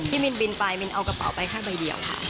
มินบินไปมินเอากระเป๋าไปแค่ใบเดียวค่ะ